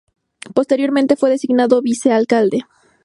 Posteriormente fue designado vicealcalde.